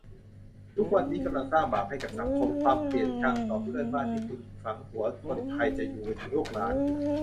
ทุกวันนี้กำลังสร้างบาปให้กับสังคม ความเกลียดชังต่อเพื่อนบ้านที่คุณฝังหัวคนไทยจะอยู่ไปถึงลูกหลาน